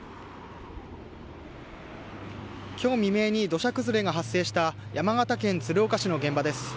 今日未明に土砂崩れが発生した山形県鶴岡市の現場です。